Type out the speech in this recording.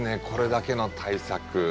これだけの大作。